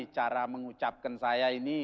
cara mengucapkan saya ini